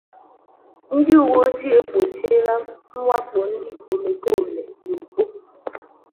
Ndị Uweojii Egbochiela Mwakpo Ndị Omekoome n'Ukpo